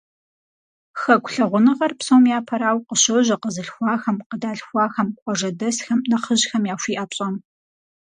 Хэку лъагъуныгъэр, псом япэрауэ, къыщожьэ къэзылъхуахэм, къыдалъхуахэм, къуажэдэсхэм, нэхъыжьхэм яхуиӏэ пщӏэм.